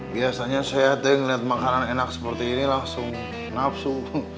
biasanya sehat deh ngeliat makanan enak seperti ini langsung nafsu